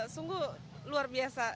sungguh luar biasa